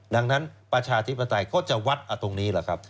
ดังนั้นประชาธิปไตยก็จะวัดเอาตรงนี้แหละครับ